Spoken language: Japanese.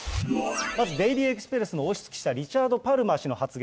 まずデイリー・エクスプレスの王室記者、リチャード・パルマー氏の発言。